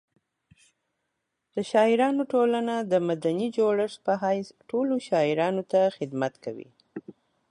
د شاعرانو ټولنه د مدني جوړښت په حیث ټولو شاعرانو ته خدمت کوي.